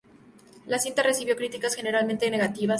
La cinta recibió críticas generalmente negativas.